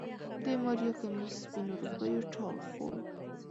د ماريا کميس سپينو روپيو ټال خوړ.